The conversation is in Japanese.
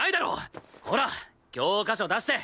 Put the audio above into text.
ほら教科書出して！